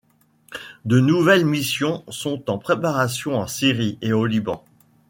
De nouvelles missions sont en préparation en Syrie et au Liban.